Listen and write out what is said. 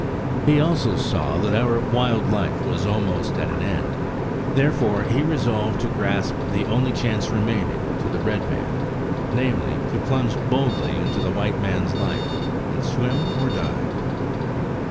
He also saw that our wild life was almost at an end; therefore he resolved to grasp the only chance remaining to the red man namely, to plunge boldly into the white man's life, and swim or die.